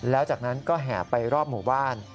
แล้วจากนั้นก็แห่ไปรอบหมู่บ้าน